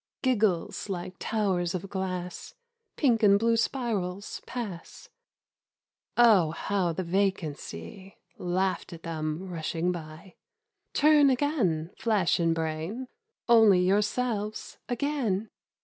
Giggles like towers of glass (Pink and blue spirals) pass, Oh how the Vacancy Laughed at them rushing by. ' Turn again, flesh and brain, Only yourselves again